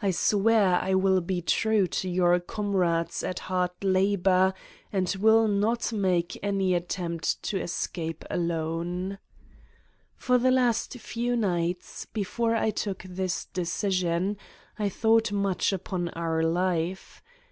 I swear J will be true to your comrades at hard labor and will not make any attempt to escape alone ! For the last few nights, before I took this de cision, I thought much upon our life.